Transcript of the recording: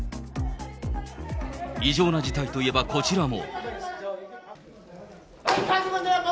異常な事態といえば、こちらも。